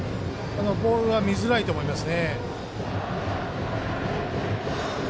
ボールが見づらいと思います。